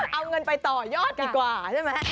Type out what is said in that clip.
เอาเงินไปต่อยอดดีกว่าใช่ไหม